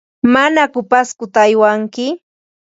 ¿Manaku Pascota aywanki?